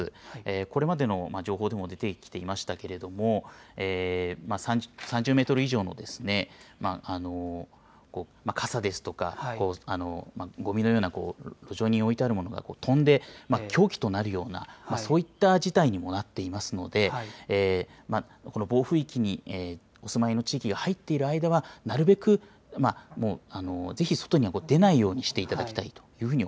これまでの情報でも出てきていましたけれども、３０メートル以上の、傘ですとかごみのような路上に置いてあるようなものが飛んで凶器となるような、そういった事態にもなっていますので、暴風域にお住まいの地域が入っている間は、なるべく、ぜひ外には出ていただかないようにしていただきたいと。